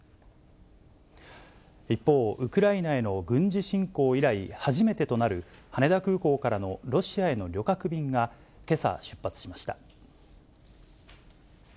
一方、ウクライナへの軍事侵攻以来、初めてとなる羽田空港からのロシアへの旅客便が、けさ出発しました。